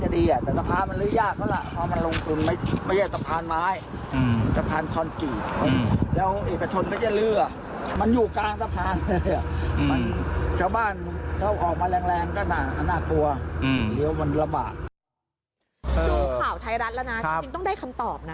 ดูข่าวไทยรัฐแล้วนะจริงต้องได้คำตอบนะ